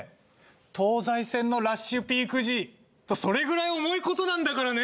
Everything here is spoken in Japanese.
東西線のラッシュピーク時とそれぐらい重いことなんだからね。